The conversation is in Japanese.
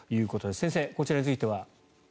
先生、こちらについては。